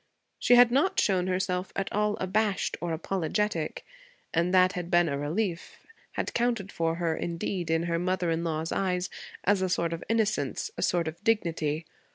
She had not shown herself at all abashed or apologetic, and that had been a relief; had counted for her, indeed, in her mother in law's eyes, as a sort of innocence, a sort of dignity.